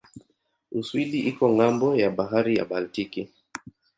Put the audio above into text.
Uswidi iko ng'ambo ya bahari ya Baltiki.